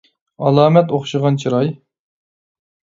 ئالامەت ئوخشىغان چىراي.